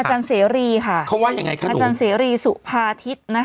อัจจะมีโอกาสเป็นฝนในรอบร้อยปี